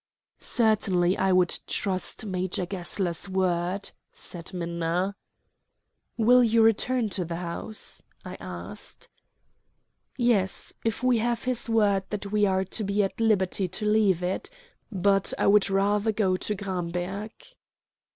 "Certainly I would trust Major Gessler's word," said Minna. "Will you return to the house?" I asked. "Yes, if we have his word that we are to be at liberty to leave it. But I would rather go to Gramberg."